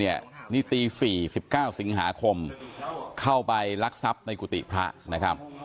นี่ตี๔๑๙สิงหาคมเข้าไปลักทรัพย์ในกุฏิพระนะครับ